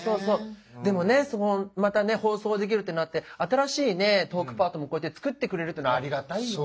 でもねまた放送できるってなって新しいトークパートもこうやって作ってくれるっていうのありがたい。